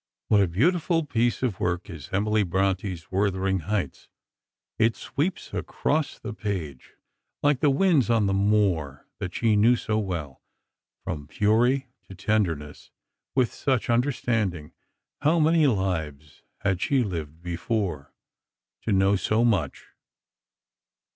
What a beautiful piece of work is Emily Brontë's "Wuthering Heights." It sweeps across the page like the winds on the moor that she knew so well. From fury to tenderness, with such understanding; how many lives had she lived before, to know so much!